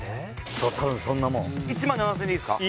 そう多分そんなもん１万７０００円でいいすか？